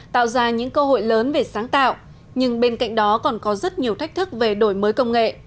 tạo ra những cơ hội lớn về sáng tạo nhưng bên cạnh đó còn có rất nhiều thách thức về đổi mới công nghệ